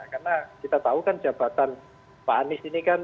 karena kita tahu kan jabatan pak anies ini kan